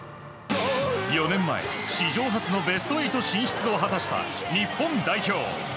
４年前、史上初のベスト８進出を果たした日本代表。